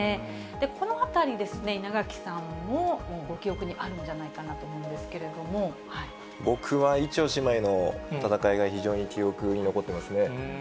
このあたりですね、稲垣さんも、ご記憶にあるんじゃないかなと思僕は伊調姉妹の戦いが非常に記憶に残ってますね。